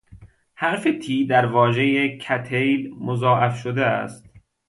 حرف "T" در واژهی "cattail" مضاعف شده است.